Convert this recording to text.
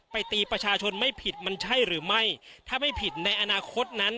ตีประชาชนไม่ผิดมันใช่หรือไม่ถ้าไม่ผิดในอนาคตนั้น